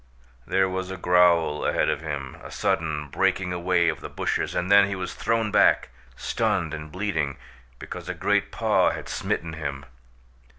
There was a growl ahead of him, a sudden breaking away of the bushes, and then he was thrown back, stunned and bleeding, because a great paw had smitten him.